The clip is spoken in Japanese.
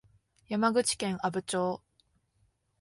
山口県阿武町